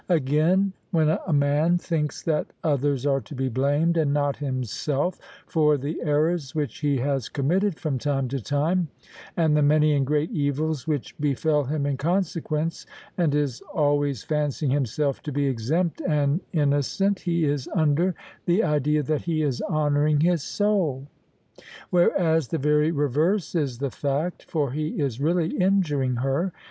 Again, when a man thinks that others are to be blamed, and not himself, for the errors which he has committed from time to time, and the many and great evils which befell him in consequence, and is always fancying himself to be exempt and innocent, he is under the idea that he is honouring his soul; whereas the very reverse is the fact, for he is really injuring her.